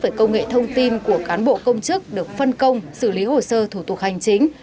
về công nghệ thông tin của cán bộ công chức được phân công xử lý hồ sơ thủ tục hành chính